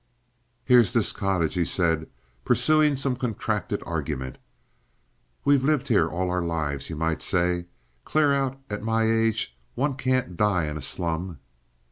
"Here's this cottage," he said, pursuing some contracted argument. "We've lived here all our lives, you might say. ... Clear out. At my age. ... One can't die in a slum."